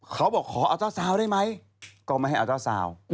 เขาบอกขออัลต้าซาวได้ไหมก็มาให้อัลต้าซาว